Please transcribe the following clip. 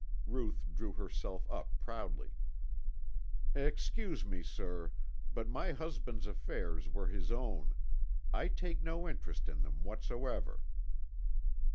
Ruth drew herself up proudly. "Excuse me, sir, but my husband's affairs were his own. I take no interest in them whatsoever."